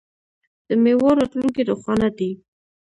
د میوو راتلونکی روښانه دی.